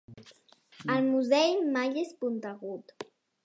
El musell mai és puntegut.